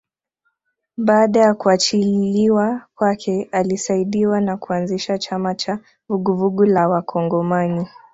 Baada ya kuachiliwa kwake alisaidiwa na kuanzisha chama cha Vuguvugu la Wakongomani